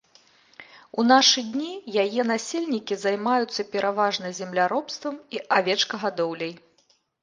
У нашы дні яе насельнікі займаюцца пераважна земляробствам і авечкагадоўляй.